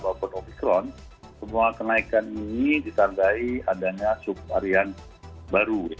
untuk omikron semua kenaikan ini ditargai adanya subvarian baru